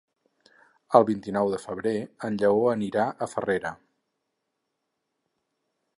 El vint-i-nou de febrer en Lleó anirà a Farrera.